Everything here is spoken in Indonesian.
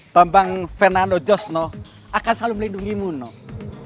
pembang fernando josh noh akan selalu melindungimu noh